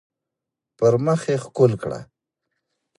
پر مخ يې ښكل كړه